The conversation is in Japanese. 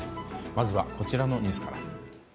まずはこちらのニュースから。